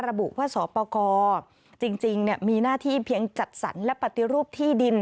ระบุว่าสอปกรจริงมีหน้าที่เพียงจัดสรรและปฏิรูปที่ดิน